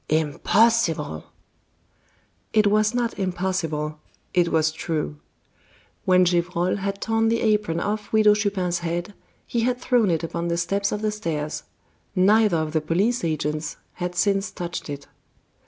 "Impossible!" It was not impossible it was true. When Gevrol had torn the apron off Widow Chupin's head he had thrown it upon the steps of the stairs; neither of the police agents had since touched it.